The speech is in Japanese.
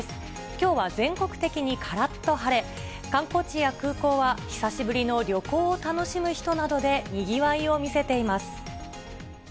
きょうは全国的にからっと晴れ、観光地や空港は、久しぶりの旅行を楽しむ人などでにぎわいを見せています。